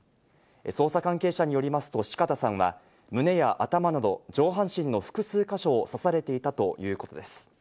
捜査関係者によりますと四方さんは、胸や頭など上半身の複数か所を刺されていたということです。